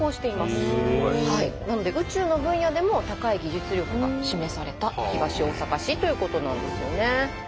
すごい！なので宇宙の分野でも高い技術力が示された東大阪市ということなんですよね。